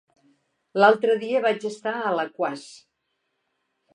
L'altre dia vaig estar a Alaquàs.